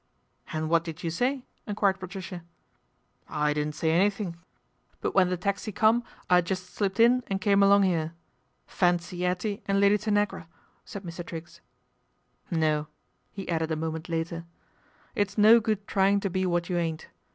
And what did you say ?" enquired Patricia. I didn't say anything ; but when the taxi 224 PATRICIA BRENT, SPINSTER come I just slipped in and came along 'ere. Fancy 'Ettie and Lady Tanagra !" said Mr. Triggs. " No," he added a moment later. " It's no good trying to be what you ain't.